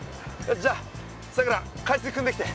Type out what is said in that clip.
じゃあさくら海水くんできて。